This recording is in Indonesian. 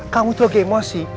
kamu tuh lagi emosi